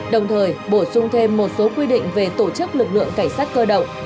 đồng thời bổ sung thêm một số quy định về tổ chức lực lượng cảnh sát cơ động